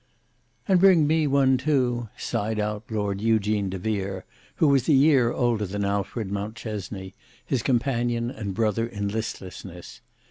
"And bring me one too," sighed out Lord Eugene De Vere, who was a year older than Alfred Mountchesney, his companion and brother in listlessness.